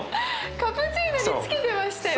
カプチーノにつけてましたよ。